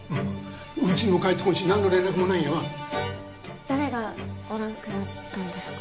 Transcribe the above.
うちにも帰ってこんし何の連絡もないんやわ誰がおらんくなったんですか？